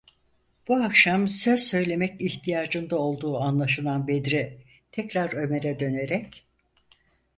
Bu akşam söz söylemek ihtiyacında olduğu anlaşılan Bedri tekrar Ömer’e dönerek: